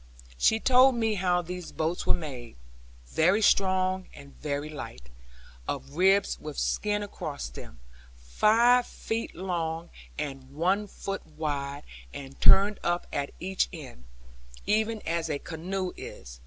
She told me how these boats were made; very strong and very light, of ribs with skin across them; five feet long, and one foot wide; and turned up at each end, even as a canoe is.